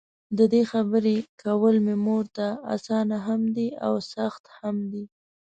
ددې خبري کول مې مورته؛ اسانه هم ده او سخته هم ده.